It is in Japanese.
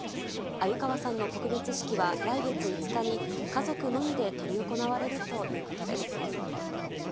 鮎川さんの告別式は来月５日に、家族のみで執り行われるということです。